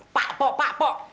pak pak pak pak